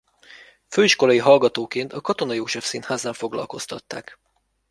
Főiskolai hallgatóként a Katona József Színháznál foglalkoztatták.